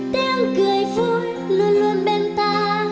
tiếng cười vui luôn luôn bên ta